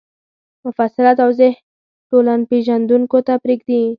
مفصله توضیح ټولنپېژندونکو ته پرېږدي